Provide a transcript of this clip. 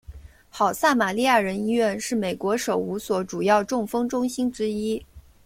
好撒玛利亚人医院是美国首五所主要中风中心之一。